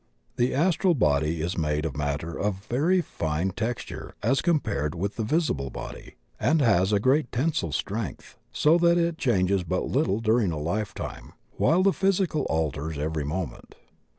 The astral body is made of matter of very fine tex ture as compared with the visible body, and has a great tensile strength, so that it changes but little during a lifetime, while the physical alters every mo ment.